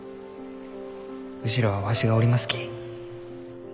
後ろはわしがおりますき。